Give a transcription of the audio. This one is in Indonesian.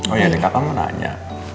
oh iya deh kak kamu nanya